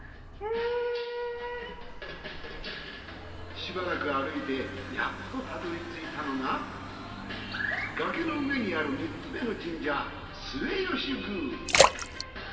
しばらく歩いてやっとたどり着いたのが崖の上にある３つめの神社末吉宮。